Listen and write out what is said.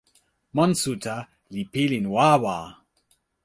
monsuta li pilin wawa!